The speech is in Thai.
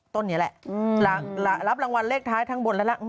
ต้นนี้แหละรับรางวัลเลขท้ายทั้งบนแล้วล่ะ